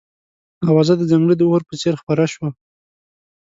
اوازه د ځنګله د اور په څېر خپره شوه.